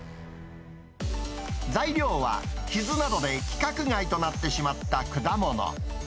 材料は、傷などで規格外となってしまった果物。